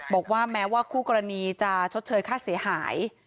บอกว่าแม้ว่าคู่กรณีจะชดเชยค่าเสียหาย